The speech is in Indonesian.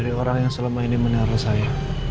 dari orang yang selama ini menaruh saya